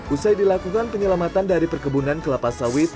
usai dilakukan penyelamatan dari perkebunan kelapa sawit